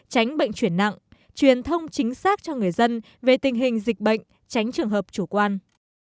tránh bệnh chuyển nặng truyền thông chính xác cho người dân về tình hình dịch bệnh tránh trường hợp chủ quan